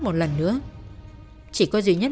một lần nữa chỉ có duy nhất